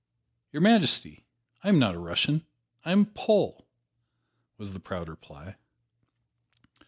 "Your Majesty, I am not a Russian I am a Pole!" was the proud reply.